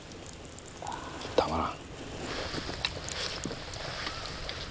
たまらん。